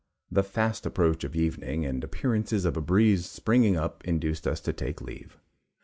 The fast approach of evening and appearances of a breeze springing up induced us to take leave.